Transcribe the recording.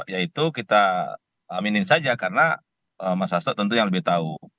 yaitu kita aminin saja karena mas hasto tentu yang lebih tahu